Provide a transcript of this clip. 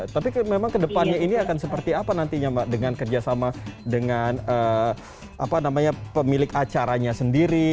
tapi memang kedepannya ini akan seperti apa nantinya mbak dengan kerjasama dengan pemilik acaranya sendiri